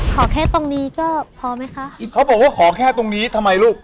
ขอแค่ตรงนี้ก็พอไหมคะเขาบอกว่าขอแค่ตรงนี้ทำไมลูก